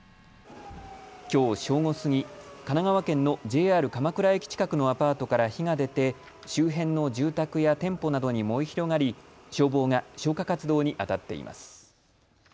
きょう正午過ぎ、神奈川県のＪＲ鎌倉駅近くのアパートから火が出て周辺の住宅や店舗などに燃え広がり、消防が消火活動にあたっています。